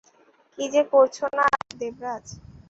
কি যে করছ না, দেবরাজ?